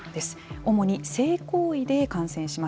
主に性行為で感染します。